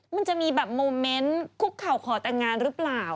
มันจะมีแบบโมเมนต์คุกเข่าขอแต่งงานหรือเปล่า